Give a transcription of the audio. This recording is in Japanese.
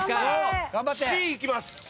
Ｃいきます。